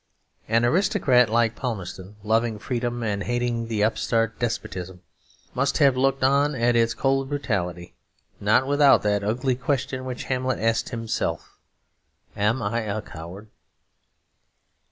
An aristocrat like Palmerston, loving freedom and hating the upstart despotism, must have looked on at its cold brutality not without that ugly question which Hamlet asked himself am I a coward?